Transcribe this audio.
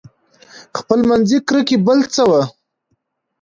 خپلمنځي کرکې بل څه وو.